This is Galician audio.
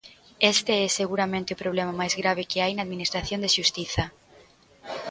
Este é seguramente o problema máis grave que hai na administración de xustiza.